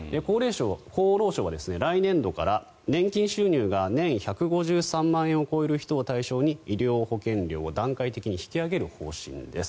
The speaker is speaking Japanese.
厚労省は来年度から、年金収入が年１５３万円を超える人を対象に医療保険料を段階的に引き上げる方針です。